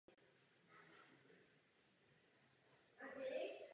Její rodiče vlastní celou západní polovinu Marsu.